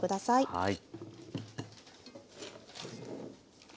はい。